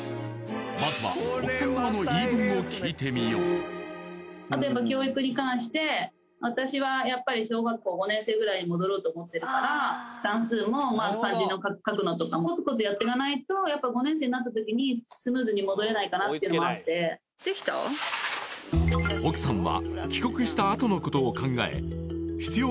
まずは奥さん側の言い分を聞いてみよう例えば教育に関して私はやっぱり小学校５年生ぐらいに戻ろうと思ってるから算数も漢字の書くのとかもコツコツやっていかないとやっぱ５年生になった時にスムーズに戻れないかなっていうのもあって奥さんは帰国したあとのことを考え必要